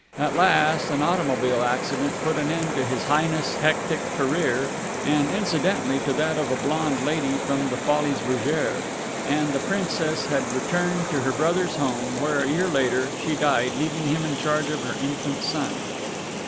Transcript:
At last, an automobile accident put an end to His Highness's hectic career (and, incidentally, to that of a blonde lady from the Folies Bergeres), and the Princess had returned to her brother's home, where, a year later, she died, leaving him in charge of her infant son.